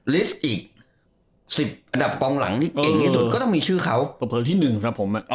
ลิสต์อีกสิบอันดับกองหลังที่เก่งที่สุดก็ต้องมีชื่อเขาประเภทที่หนึ่งนะผมอ่อ